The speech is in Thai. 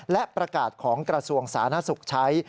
และประกาศของกระทรวงสานะศุกร์ใช้